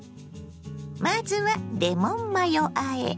まずはレモンマヨあえ。